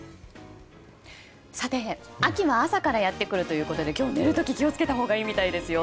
さて、秋は朝からやってくるということで今日、寝る時気を付けたほうがいいみたいですよ。